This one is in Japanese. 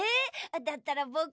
だったらぼくは。